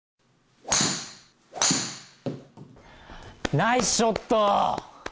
ナイスショット。